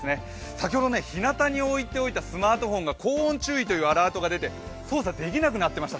先ほど日向に置いておいたスマートフォンが高温注意というアラートが出て、操作できなくなっていました。